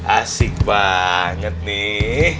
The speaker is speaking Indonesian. asik banget nih